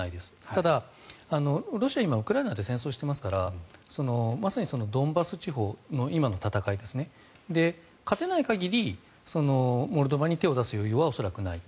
ただ、ロシアは今ウクライナと戦争していますからまさにドンバス地方の今の戦いですね勝てない限りモルドバに手を出す余裕は恐らくない。